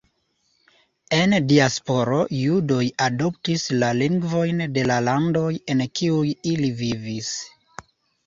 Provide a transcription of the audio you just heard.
En diasporo judoj adoptis la lingvojn de la landoj en kiuj ili vivis.